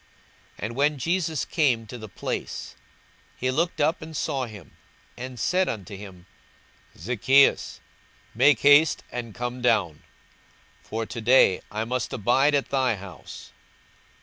42:019:005 And when Jesus came to the place, he looked up, and saw him, and said unto him, Zacchaeus, make haste, and come down; for to day I must abide at thy house.